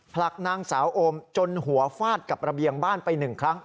ผลักนางสาวโอมจนหัวฟาดกับระเบียงบ้านไปหนึ่งครั้ง